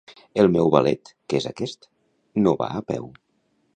El meu Valet, que és aquest, no va a peu.